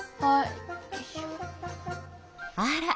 あら。